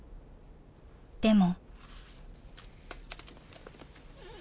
でも。